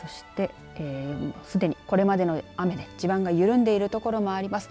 そして、すでに、これまでの雨で地盤が緩んでいる所もあります。